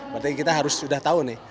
berarti kita harus sudah tahu nih